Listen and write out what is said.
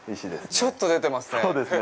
ちょっと出てますね。